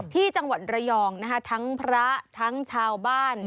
ที่จังหวัดระยองนะคะทั้งพระทั้งชาวบ้าน